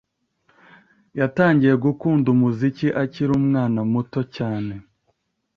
yatangiye gukunda umuziki akiri umwana muto cyane